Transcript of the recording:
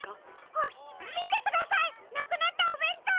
あっみてくださいなくなったおべんとうです！